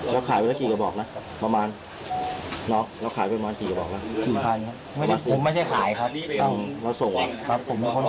แล้วส่งเหรอครับคนส่งประมาณ๔๐๐๐บาทใช่ไหมครับครับ